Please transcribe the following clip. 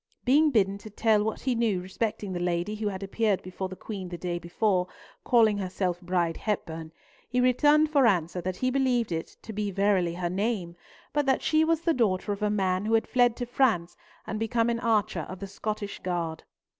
Being bidden to tell what he knew respecting the lady who had appeared before the Queen the day before, calling herself Bride Hepburn, he returned for answer that he believed it to be verily her name, but that she was the daughter of a man who had fled to France, and become an archer of the Scottish guard.